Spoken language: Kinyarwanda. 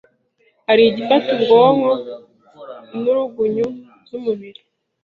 hari igifata ubwonko, inturugunyu z’umubiri